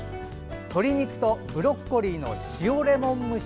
鶏肉とブロッコリーの塩レモン蒸し。